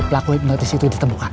pelaku itu ditemukan